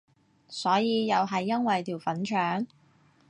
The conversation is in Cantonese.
所以又係因為條粉腸？